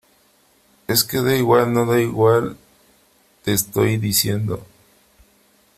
es que da igual . no da igual . te estoy diciendo